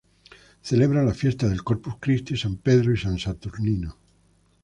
Celebra las fiestas del Corpus Christi, san Pedro y san Saturnino.